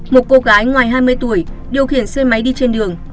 một cô gái ngoài hai mươi tuổi điều khiển xe máy đi trên đường